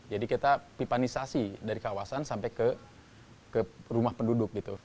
jadi kita pipanisasi dari kawasan sampai ke rumah penduduk gitu